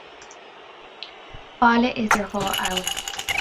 Baile idir Dhá Abhainn